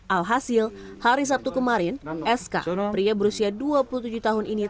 alhasil hari sabtu kemarin sk pria berusia dua puluh tujuh tahun ini